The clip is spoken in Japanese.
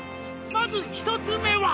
「まず１つ目は」